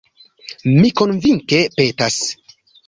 Mi konvinke petas.